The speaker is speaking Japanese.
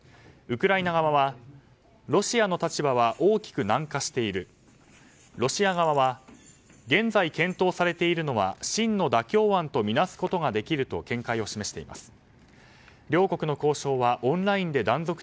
ウクライナ側はロシアの立場は大きく軟化しているロシア側は現在検討されているのは真の妥協案とみなすことができると見解を示しています。